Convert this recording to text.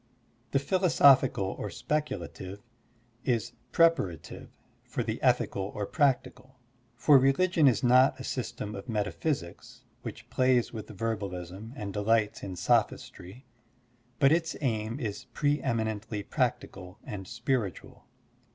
The philosophical or speculative is preparative for the ethical or practical, for religion is not a system of metaphysics which plays with verbalism and delights in sophistry, but its aim is pre eminently practical and spir itual.